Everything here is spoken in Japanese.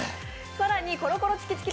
更にコロコロチキチキ